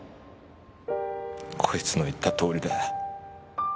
こいつの言ったとおりだ。